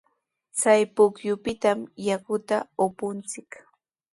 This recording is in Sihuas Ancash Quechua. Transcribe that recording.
Chay pukyupitami yakuta upunchik.